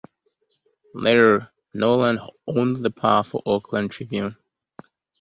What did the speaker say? Later, Knowland owned the powerful "Oakland Tribune".